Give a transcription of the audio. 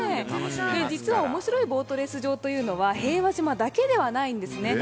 実はおもしろいボートレース場というのは平和島だけじゃないんですね。